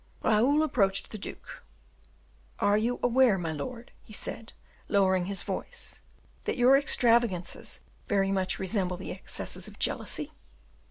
Raoul approached the duke. "Are you aware, my lord," he said, lowering his voice, "that your extravagances very much resemble the excesses of jealousy?